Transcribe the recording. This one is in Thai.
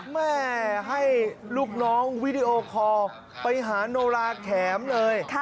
แม่ให้ลูกน้องวีดีโอคอลไปหาโนราแข็มเลย